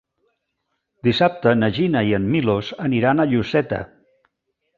Dissabte na Gina i en Milos aniran a Lloseta.